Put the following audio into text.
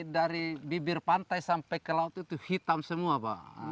dari bibir pantai sampai ke laut itu hitam semua pak